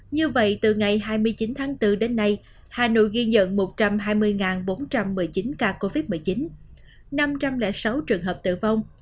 như vậy từ ngày hai mươi chín tháng bốn đến nay hà nội ghi nhận một trăm hai mươi bốn trăm một mươi chín ca covid một mươi chín năm trăm linh sáu trường hợp tử vong